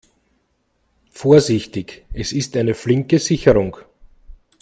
Vorsichtig, es ist eine flinke Sicherung.